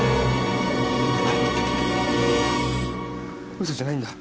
ウソじゃないんだ。